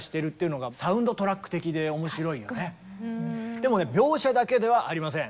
でもね描写だけではありません。